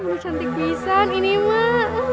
buat cantik bisaan ini mah